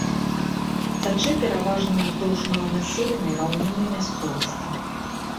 Цячэ пераважна ўздоўж маланаселенай раўніннай мясцовасці.